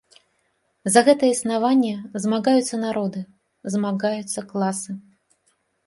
За гэтае існаванне змагаюцца народы, змагаюцца класы.